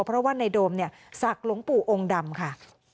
เพราะว่าในโดมเนี่ยศักดิ์หลวงปู่องค์ดำค่ะ